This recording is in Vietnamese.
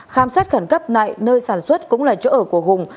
khám sát khẩn cấp nại nơi sản xuất cũng là chỗ ở của hùng